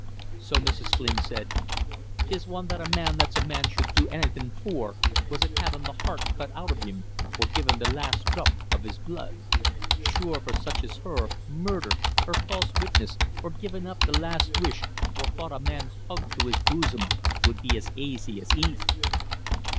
So Mrs. Flynn said: "'Tis one that a man that's a man should do annything for, was it havin' the heart cut out uv him, or givin' the last drop uv his blood. Shure, for such as her, murder, or false witness, or givin' up the last wish or thought a man hugged to his boosom, would be as aisy as aisy."